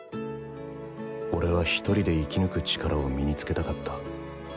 俺は１人で生き抜く力を身に付けたかった。